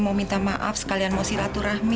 mau minta maaf sekalian mau siratu rahmi